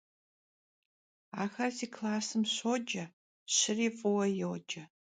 Axer zı klassım şoce, şıri f'ıue yoce.